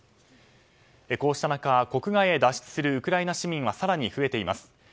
こうした中、国外へ脱出するウクライナ市民は更に増えています。